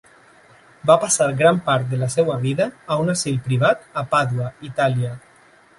Va passar gran part de la seva vida a un asil privat a Pàdua, Itàlia.